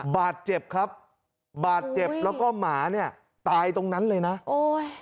บาดเจ็บครับบาดเจ็บแล้วก็หมาเนี่ยตายตรงนั้นเลยนะโอ้ย